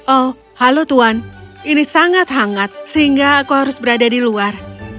oh halo tuan ini sangat hangat sehingga aku harus berada di luar